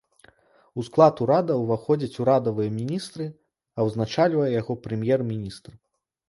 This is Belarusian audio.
У склад урада ўваходзяць урадавыя міністры, а ўзначальвае яго прэм'ер-міністр.